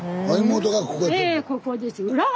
ええここです。